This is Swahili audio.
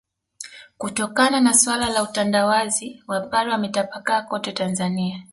Kutokana na suala la utandawazi wapare wametapakaa kote Tanzania